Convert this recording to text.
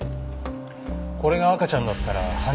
これが赤ちゃんだったら犯人だね。